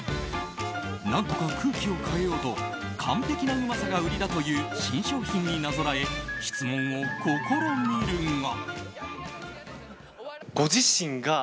何とか空気を変えようと完璧なうまさが売りだという新商品になぞらえ質問を試みるが。